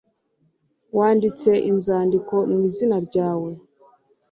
wanditse inzandiko mu izina ryawe